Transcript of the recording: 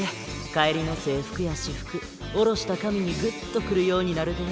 帰りの制服や私服下ろした髪にグッとくるようになるで。